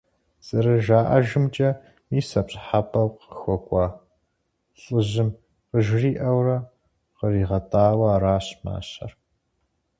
Зэрыжаӏэжымкӏэ, мис а пщӏыхьэпӏэу къыхуэкӏуэ лӏыжьым къыжриӏэурэ къригъэтӏауэ аращ мащэр.